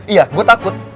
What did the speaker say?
iya gue takut